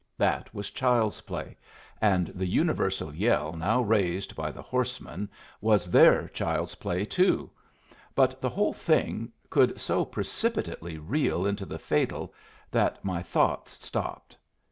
That was child's play; and the universal yell now raised by the horsemen was their child's play too; but the whole thing could so precipitately reel into the fatal that my thoughts stopped.